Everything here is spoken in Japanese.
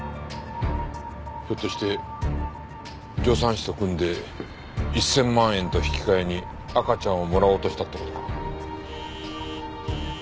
ひょっとして助産師と組んで１千万円と引き換えに赤ちゃんをもらおうとしたって事か？